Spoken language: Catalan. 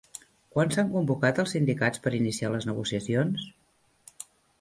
Quan s'ha convocat als sindicats per iniciar les negociacions?